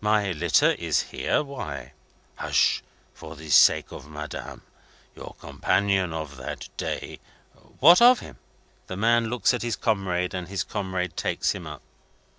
"My litter is here? Why?" "Hush! For the sake of Madame. Your companion of that day " "What of him?" The man looks at his comrade, and his comrade takes him up.